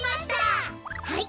はい！